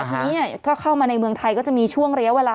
ทีนี้ก็เข้ามาในเมืองไทยก็จะมีช่วงระยะเวลา